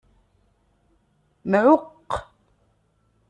Mɛuqq.